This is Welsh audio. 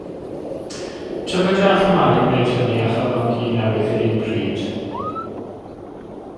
Tybed a all Mali wneud hynny a chael mam-gu newydd yr un pryd?